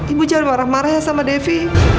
ibu jangan marah marah ya sama devi